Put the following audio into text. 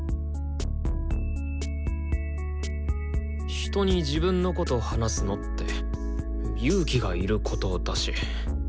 人に自分のこと話すのって勇気がいることだし。